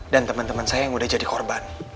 dan temen temen saya yang udah jadi korban